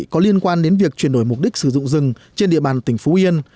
có liên quan đến việc chuyển đổi mục đích sử dụng rừng trên địa bàn tỉnh phú yên